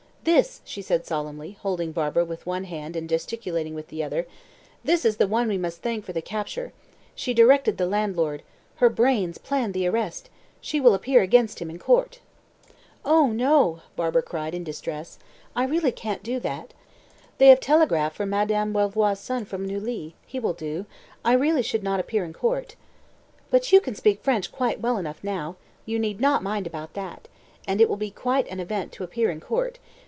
"This!" she said solemnly, holding Barbara with one hand and gesticulating with the other "this is the one we must thank for the capture. She directed the landlord her brains planned the arrest she will appear against him in court." "Oh, no!" Barbara cried in distress, "I really can't do that. They have telegraphed for Madame Belvoir's son from Neuilly he will do. I really could not appear in court." "But you can speak French quite well enough now you need not mind about that; and it will be quite an event to appear in court.